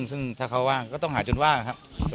ซึ่งถ้าเขาว่างก็ต้องหาจนว่างครับ